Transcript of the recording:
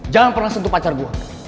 jangan pernah sentuh pacar gue